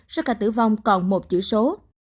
số ca tử vong còn một chữ số